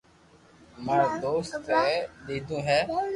تماري دوست اي ديدو ھي